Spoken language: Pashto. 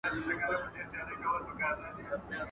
و خوره هم خوړل دي، ونغره هم خوړل دي.